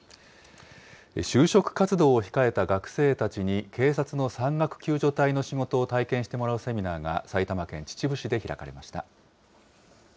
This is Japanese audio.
就職活動を控えた学生たちに警察の山岳救助隊の仕事を体験してもらうセミナーが、埼玉県秩父市で開かれました。